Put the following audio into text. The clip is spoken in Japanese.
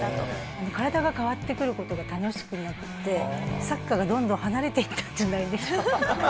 もう体が変わってくる事が楽しくなってサッカーがどんどん離れていった。